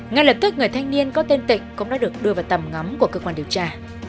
ngay lập tức người thanh niên có tên tịnh cũng đã được đưa vào tầm ngắm của cơ quan điều tra